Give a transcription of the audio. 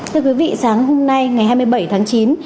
thưa quý vị sáng hôm nay ngày hai mươi bảy tháng chín